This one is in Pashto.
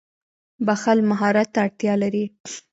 • بښل مهارت ته اړتیا لري.